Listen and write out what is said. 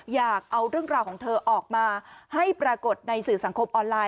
อยากเอาเรื่องราวของเธอออกมาให้ปรากฏในสื่อสังคมออนไลน